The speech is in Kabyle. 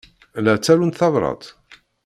La ttarunt tabṛat?